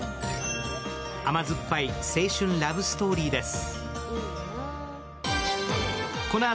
甘酸っぱい青春ラブストーリーです。